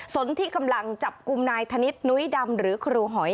ส่วนที่กำลังจับกลุ่มนายธนิษฐ์นุ้ยดำหรือครูหอย